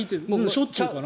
しょっちゅうかな？